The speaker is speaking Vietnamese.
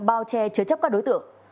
bao che chứa chấp các đối tượng